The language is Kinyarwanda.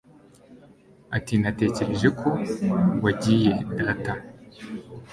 Ati: "Natekereje ko wagiye, Data".